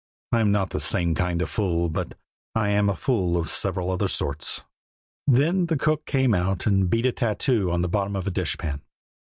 I am not the same kind of fool, but I am a fool of several other sorts." Then the cook came out and beat a tattoo on the bottom of a dishpan.